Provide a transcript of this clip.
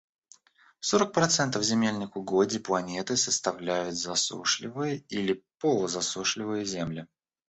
Сорок процентов земельных угодий планеты составляют засушливые или полузасушливые земли.